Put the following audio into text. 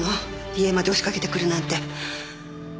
家まで押しかけてくるなんて。